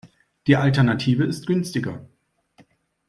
Die Alternative ist günstiger.